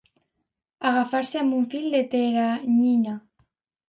Agafar-se amb un fil de teranyina.